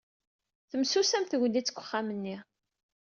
Temsusam tegnit deg uxxam-nni.